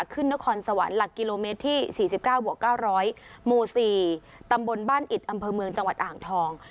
ขึ้นนครสวรรค์หลักกิโลเมตรที่๔๙บวก๙๐๐หมู่๔ตำบลบ้านอิดอำเภอเมืองจังหวัดอ่างทอง